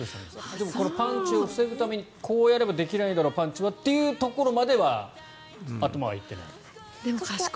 でも、パンチを防ぐためにこうやればパンチはできないだろというところまでは頭はいっていない。